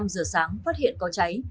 năm giờ sáng phát hiện có cháy